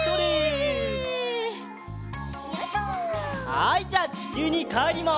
はいじゃあちきゅうにかえります。